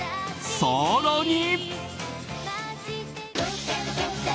更に。